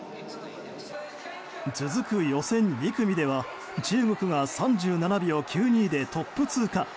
続く予選２組では中国が３７秒９２でトップ通過。